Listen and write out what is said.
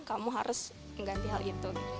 kamu harus mengganti hal itu